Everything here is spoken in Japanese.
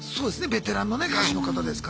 ベテランのね歌手の方ですからね。